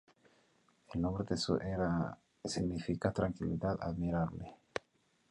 El nombre de su era significa "Tranquilidad admirable".